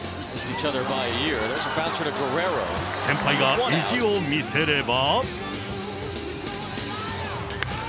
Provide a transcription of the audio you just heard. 先輩が意地を見せれば。